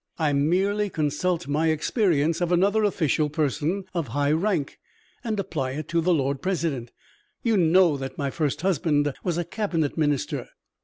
I merely consult my experience of another official person of high rank, and apply it to the Lord President. You know that my first husband was a Cabinet Minister?"